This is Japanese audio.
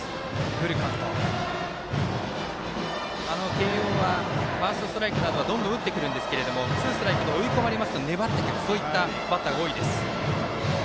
慶応はファーストストライクなどはどんどん打ってくるんですがツーストライクと追い込まれますと粘ってくるバッターが多いです。